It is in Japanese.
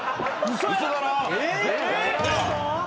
嘘やろ？